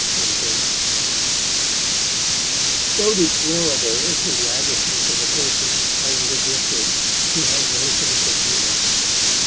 _ So deplorable is the waggishness of a person, however gifted, who has no sense of humour!